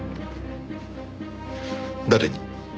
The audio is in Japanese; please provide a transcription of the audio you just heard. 誰に？